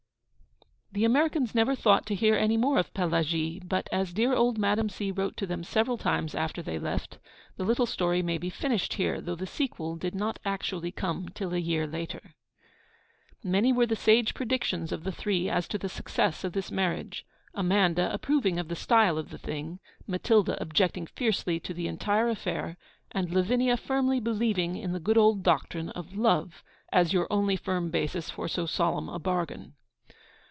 The Americans never thought to hear any more of Pelagie; but, as dear old Madame C. wrote to them several times after they left, the little story may be finished here, though the sequel did not actually come till a year later. Many were the sage predictions of the Three as to the success of this marriage Amanda approving of that style of thing, Matilda objecting fiercely to the entire affair, and Lavinia firmly believing in the good old doctrine of love as your only firm basis for so solemn a bargain.